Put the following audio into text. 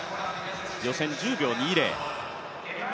予選１０秒２０。